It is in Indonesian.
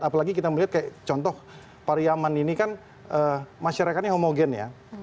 apalagi kita melihat kayak contoh pariyaman ini kan masyarakatnya homogen ya